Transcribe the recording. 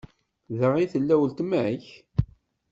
Da i tella uletma-k?